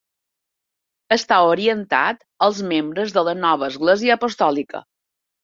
Està orientat als membres de la nova església apostòlica.